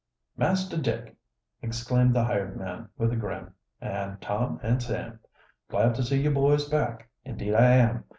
"Master Dick!" exclaimed the hired man, with a grin. "An' Tom an' Sam! Glad to see you boys back, indeed I am.